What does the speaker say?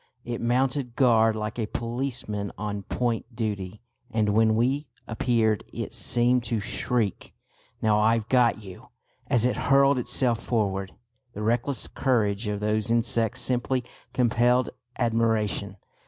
It mounted guard like a policeman on point duty, and when we appeared it seemed to shriek, "Now I've got you!" as it hurled itself forward. The reckless courage of those insects simply compelled admiration.